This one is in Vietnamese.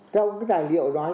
trong cái tài liệu đó